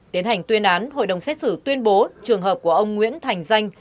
tiến hành tuyên án hội đồng xét xử tuyên bố trường hợp của ông nguyễn thành danh